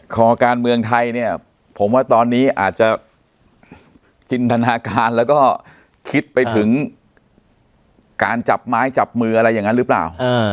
คอการเมืองไทยเนี่ยผมว่าตอนนี้อาจจะจินตนาการแล้วก็คิดไปถึงการจับไม้จับมืออะไรอย่างนั้นหรือเปล่า